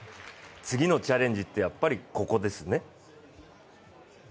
次のチャレンジってやっぱり、ここですね？